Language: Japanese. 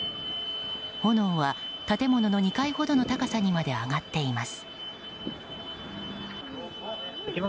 炎は建物の２階ほどの高さまで上がっています。